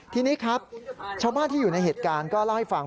ทีนี้ครับชาวบ้านที่อยู่ในเหตุการณ์ก็เล่าให้ฟัง